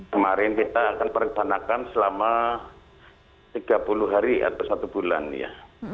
kemarin kita akan merencanakan selama tiga puluh hari atau satu bulan ya